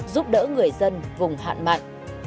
giúp đỡ người dân vùng hải sản